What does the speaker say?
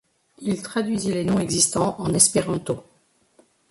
Il traduisit les noms existants en espéranto.